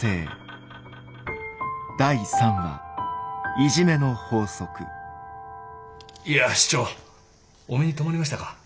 いや市長お目に留まりましたか。